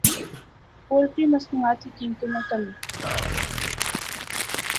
poultry مصنوعات کی قیمتوں میں کمی